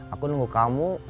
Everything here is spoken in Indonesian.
aku nunggu kamu